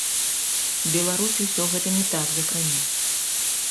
Беларусь усё гэта не так закране.